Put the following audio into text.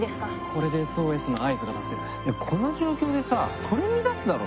これでＳＯＳの合図が出せるいやこの状況でさ取り乱すだろ